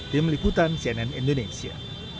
tim liputan cnn indonesia